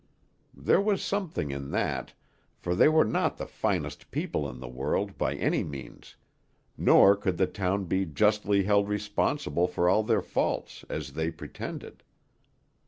There was something in that, for they were not the finest people in the world, by any means; nor could the town be justly held responsible for all their faults, as they pretended.